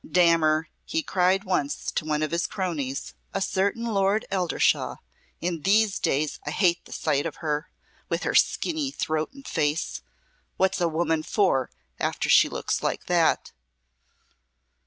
"Damn her," he cried once to one of his cronies, a certain Lord Eldershaw, "in these days I hate the sight of her, with her skinny throat and face. What's a woman for, after she looks like that?